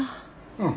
うん。